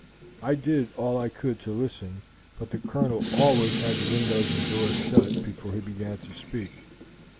I did all I could to listen, but the Colonel always had the windows and doors shut before he began to speak.